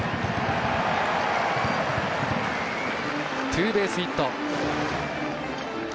ツーベースヒット。